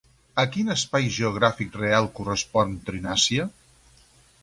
A quin espai geogràfic real correspon Trinàcia?